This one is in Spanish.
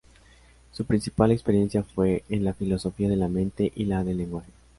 Su principal experiencia fue en la filosofía de la mente y la del lenguaje.